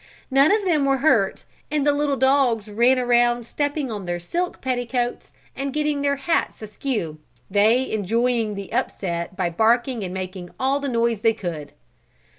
None of them were hurt and the little dogs ran around stepping on their silk petticoats and getting their hats askew, they enjoying the upset by barking and making all the noise they could.